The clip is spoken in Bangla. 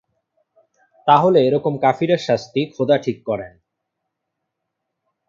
তাহলে এরকম কাফিরের শাস্তি খোদা ঠিক করেন!